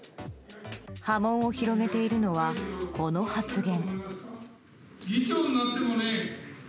波紋を広げているのは、この発言。